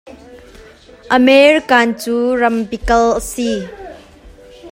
America cu ram pical a si.